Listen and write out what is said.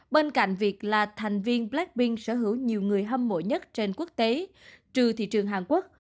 bên cạnh việc là thành viên blackpink sở hữu nhiều người hâm mộ nhất trên quốc tế trừ thị trường hàn quốc